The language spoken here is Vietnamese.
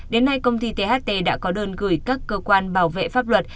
đến nay công ty tht đã có đơn gửi các cơ quan bảo vệ pháp luật